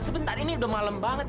sebentar ini udah malam banget